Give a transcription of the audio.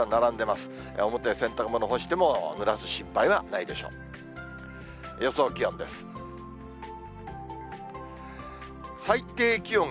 表へ洗濯物干しても、ぬらす心配はないでしょう。